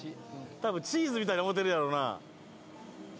多分チーズみたいに思てるやろな。